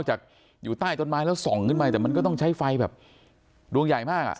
จากอยู่ใต้ต้นไม้แล้วส่องขึ้นไปแต่มันก็ต้องใช้ไฟแบบดวงใหญ่มากอ่ะ